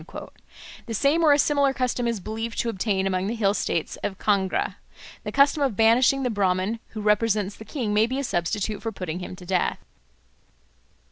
The same or a similar custom is believed to obtain among the hill states about Kangra. The custom of banishing the Brahman who represents the king may be a substitute for putting him to death.